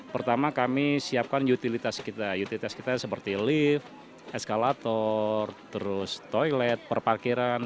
pertama kami siapkan utilitas kita utilitas kita seperti lift eskalator terus toilet perparkiran